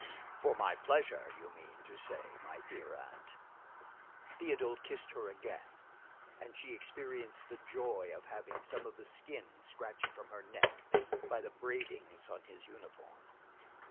"For my pleasure, you mean to say, my dear aunt." Théodule kissed her again, and she experienced the joy of having some of the skin scratched from her neck by the braidings on his uniform.